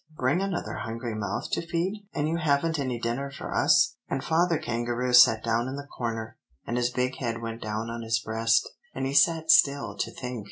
bring another hungry mouth to feed, and you haven't any dinner for us?' and Father Kangaroo sat down in the corner, and his big head went down on his breast, and he sat still to think."